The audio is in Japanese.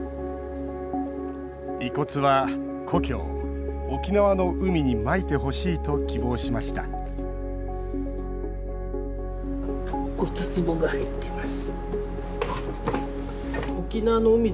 遺骨は、故郷、沖縄の海にまいてほしいと希望しましたが入っています。